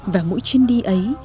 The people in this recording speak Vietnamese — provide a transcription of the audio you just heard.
và mỗi chuyến đi ấy